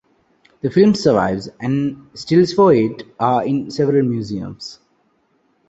The film survives and stills for it are in several museums.